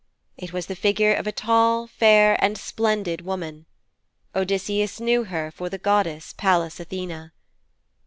It was the figure of a tall, fair and splendid woman. Odysseus knew her for the goddess Pallas Athene.